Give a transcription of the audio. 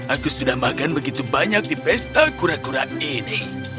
aku sudah makan begitu banyak di pesta kura kura ini